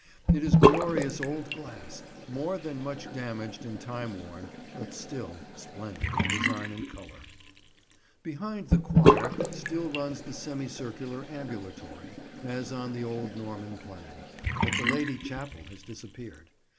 It is glorious old glass, more than much damaged and time worn, but still splendid in design and colour. Behind the choir still runs the semi circular ambulatory, as on the old Norman plan, but the Lady Chapel has disappeared.